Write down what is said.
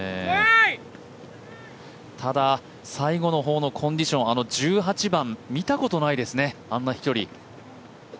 ただ、最後の方のコンディション、１８番見たことないですね、あんな飛距離